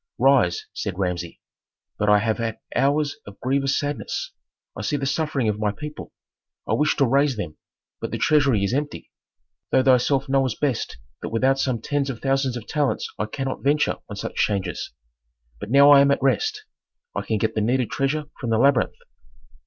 "Rise," said Rameses. "But I have had hours of grievous sadness: I see the suffering of my people; I wish to raise them, but the treasury is empty. Thou thyself knowest best that without some tens of thousands of talents I cannot venture on such changes. But now I am at rest; I can get the needed treasure from the labyrinth."